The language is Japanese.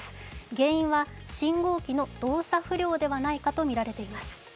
原因は信号機の動作不良ではないかとみられています。